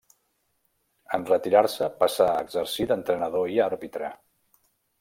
En retirar-se passà a exercir d'entrenador i àrbitre.